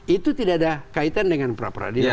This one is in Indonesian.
itu tidak ada kaitan dengan pra peradilan